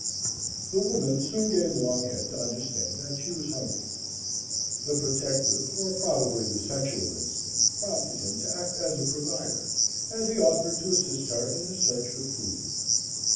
The woman soon gave Longhead to understand that she was hungry. The protective, or probably, the sexual instinct, prompted him to act as a provider, and he offered to assist her in a search for food.